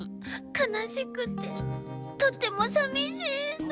かなしくてとてもさみしいの。